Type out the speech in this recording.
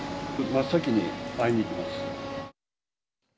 まっさきにに会いに行きます。